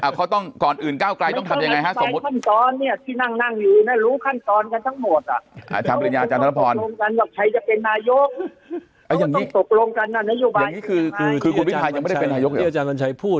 อ่าเขาต้องก่ออื่นก้าวไกลต้องทำยังไงฮะนี่ที่นั่งนั่งอยู่มันรู้